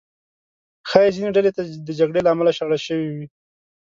ښایي ځینې ډلې د جګړې له امله شړل شوي وو.